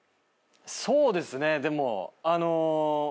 そうですねでもあの。